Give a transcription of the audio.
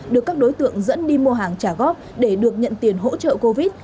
được các đối tượng dẫn đi mua hàng trả góp để được nhận tiền hỗ trợ covid